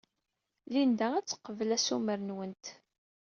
Linda ad teqbel assumer-nwent.